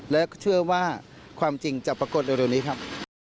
และเชื่อว่าความจริงจะปรากฏเร็วนี้ครับ